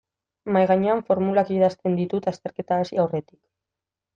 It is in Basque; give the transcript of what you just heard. Mahaigainean formulak idazten ditut azterketa hasi aurretik.